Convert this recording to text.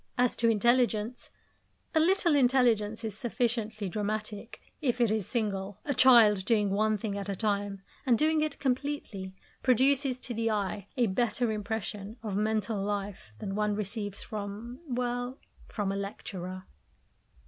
As to intelligence a little intelligence is sufficiently dramatic, if it is single. A child doing one thing at a time and doing it completely, produces to the eye a better impression of mental life than one receives from well, from a lecturer.